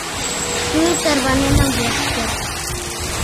Тудо тарванен огеш керт